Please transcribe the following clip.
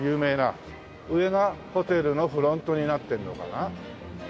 上がホテルのフロントになってるのかな？